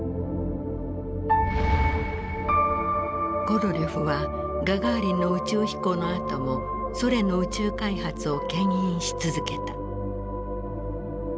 コロリョフはガガーリンの宇宙飛行のあともソ連の宇宙開発をけん引し続けた。